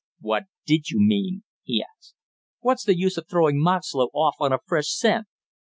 "What did you mean?" he asked. "What's the use of throwing Moxlow off on a fresh scent?"